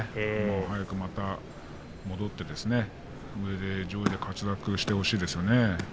早くまた戻って上で上位で活躍してほしいですよね。